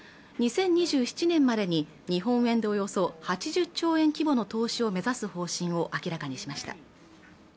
２０２７年までに日本円でおよそ８０兆円規模の投資を目指す方針を明らかにしました